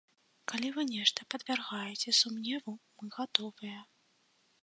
Калі вы нешта падвяргаеце сумневу, мы гатовыя.